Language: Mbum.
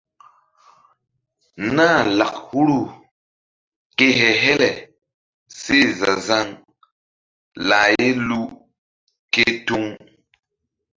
Nah lak huru ke he-hele seh za-zaŋ lah ye luu ke tuŋ.